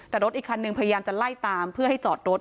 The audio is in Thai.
แต่รถอีกคันนึงพยายามจะไล่ตามเพื่อให้จอดรถ